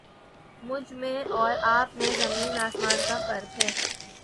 مجھ میں اور آپ میں زمیں آسمان کا فرق ہے